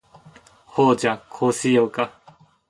ほーじゃ、こうしようか？